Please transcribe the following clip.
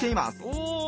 おお！